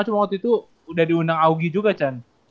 cuma waktu itu udah diundang augi juga chan